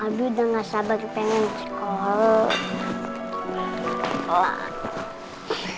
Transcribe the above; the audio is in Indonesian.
aduh udah gak sabar pengen sekolah